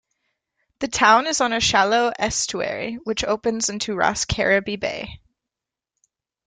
The town is on a shallow estuary, which opens onto Rosscarbery Bay.